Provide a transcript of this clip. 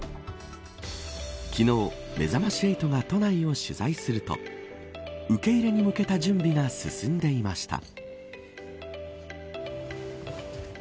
昨日、めざまし８が都内を取材すると受け入れに向けた準備が進んでいました。